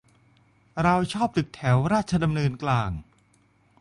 เราชอบตึกแถวราชดำเนินกลาง